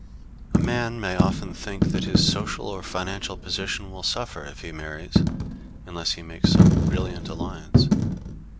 A man may often think that his social or financial position will suffer if he marries, unless he makes some brilliant alliance.